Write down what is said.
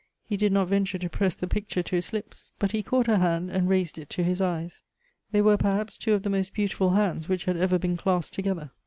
He did not venture to press the picture to his lips; but he caught her hand and raised it to his eyes. They were, perhaps, two of the most beautiful hands which had ever been clasped together.